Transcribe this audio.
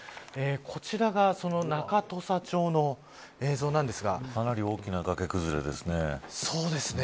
こちらが、その中土佐町のかなり大きな崖崩れですね。